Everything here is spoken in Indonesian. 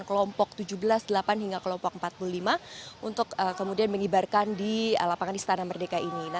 kelompok tujuh belas delapan hingga kelompok empat puluh lima untuk kemudian mengibarkan di lapangan istana merdeka ini